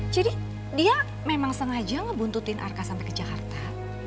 jadi dia memang sengaja ngebuntutin arka sampai ke jakarta